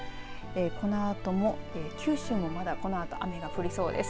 このあとも九州もまだこのあと雨が降りそうです。